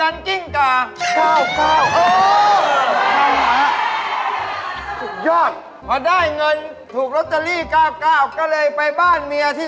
เอาหวยชุดหรอั้าหล่ะอยู่ในชุดมีอะไรบ้างอย่างงี้